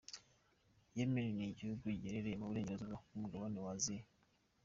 Yemeni ni igihugu giherereye mu burengerazuba bw’umugabane wa Aziya.